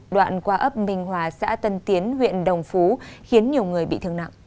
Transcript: đoạn qua ấp minh hòa xã tân tiến huyện đồng phú khiến nhiều người bị thương nặng